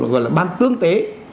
gọi là ban tương tế